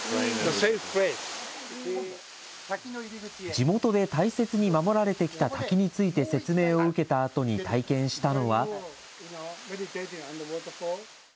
地元で大切に守られてきた滝について説明を受けたあとに体験したのは。